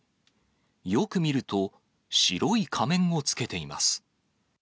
よく見ると、白い仮面をつけています。